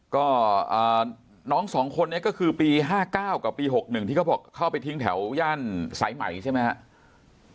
ก็เอ่อน้องสองคนนี้ก็คือปีห้าเก้ากับปีหกหนึ่งที่เขาบอกเข้าไปทิ้งแถวย่านสายใหม่ใช่ไหมฮะ